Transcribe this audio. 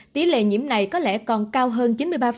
tỷ lệ nhiễm này có lẽ còn cao hơn chín mươi ba